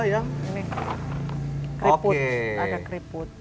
ini keriput agak keriput